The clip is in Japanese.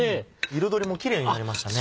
彩りもキレイになりましたね。